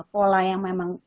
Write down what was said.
pola yang memang